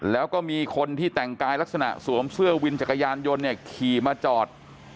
แล้วก็มีคนที่แต่งกายลักษณะสวมเสื้อวินจักรยานยนต์เนี่ยขี่มาจอด